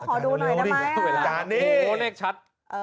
ขอดูหน่อยได้ไหมอ่ะอันนี้โหเลขชัด